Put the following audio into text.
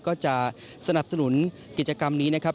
ก็จะสนับสนุนกิจกรรมนี้นะครับ